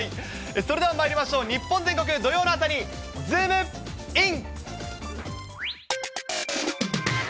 それではまいりましょう、日本全国土曜の朝にズームイン！！